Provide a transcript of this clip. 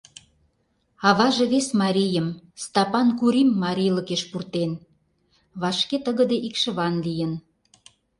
Аваже вес марийым, Стапан Курим, марийлыкеш пуртен, вашке тыгыде икшыван лийын.